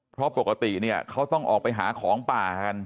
เพราะปกติเนี่ยเขาต้องออกไปหาของป่ากัน